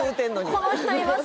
この人います